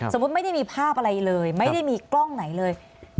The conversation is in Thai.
ไม่ได้มีภาพอะไรเลยไม่ได้มีกล้องไหนเลย